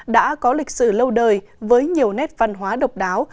đã có lịch sử lâu đời với nhiều nét văn hóa độc đáo